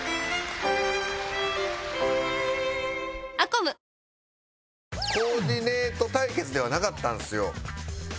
コーディネート対決ではなかったんですよ。